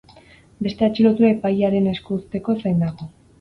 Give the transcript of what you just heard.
Beste atxilotua epailearen esku uzteko zain dago.